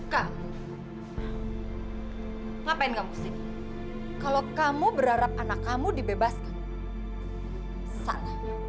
kamu tuh benar benar bodoh